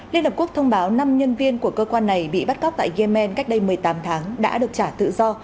liên hợp quốc thông báo năm nhân viên của cơ quan này bị bắt cóc tại yemen cách đây một mươi tám tháng đã được trả tự do